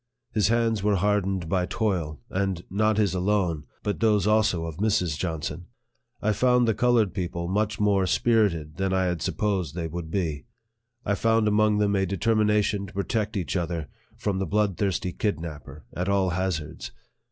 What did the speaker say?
His hands were hardened by toil, and not his alone, but those also of Mrs. Johnson. I found the colored people much more spirited than I had supposed they would be. I found among them a determination to protect each other from the blood thirsty kidnapper, at all hazards.